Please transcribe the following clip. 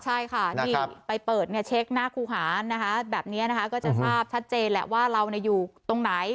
ใช่ค่ะที่ไปเปิดเช็คหน้าครูหานะคะแบบนี้นะคะก็จะทราบชัดเจนแหละว่าเราอยู่ตรงไหน